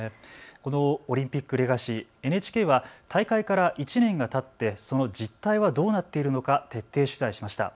このオリンピックレガシー、ＮＨＫは大会から１年がたってその実態はどうなっているのか徹底取材しました。